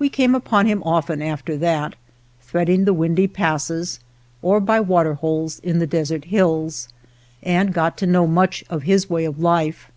We came upon him often after that, threading the windy passes, or by water holes in the desert hills, and got to know much of his way of life.